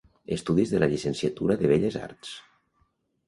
Estudis de la Llicenciatura de Belles Arts.